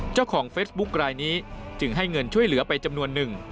เฟซบุ๊กรายนี้จึงให้เงินช่วยเหลือไปจำนวนหนึ่ง